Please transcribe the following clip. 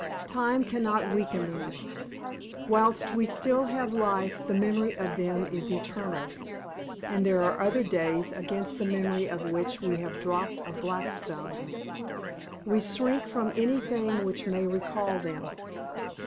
Time cannot weaken them. Whilst we have life the memory of them is eternal. And there are other days against the memory of which we have dropped a black stone. We shrink from anything which may recall them.